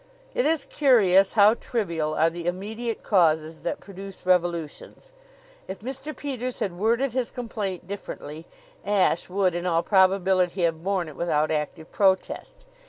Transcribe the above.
It is curious how trivial are the immediate causes that produce revolutions. If Mr. Peters had worded his complaint differently Ashe would in all probability have borne it without active protest.